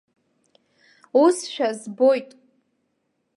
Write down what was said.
Усшәа збоит.